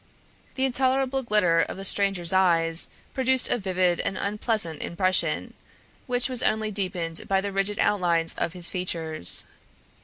The intolerable glitter of the stranger's eyes produced a vivid and unpleasant impression, which was only deepened by the rigid outlines of his features.